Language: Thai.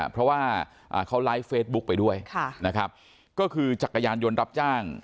เพราะว่าเขาไลฟ์เฟซบุ๊คไปด้วยนะครับก็คือจักรยานยนต์รับจ้าง